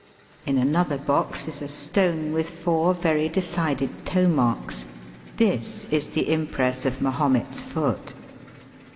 In another box is a stone with foxu: very decided toe marks. This is the impress of Mahomet's foot.